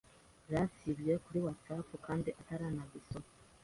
zasibwe kuri watsap kandi utarazisoma.